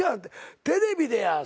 テレビでや。